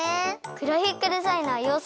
グラフィックデザイナー養成学校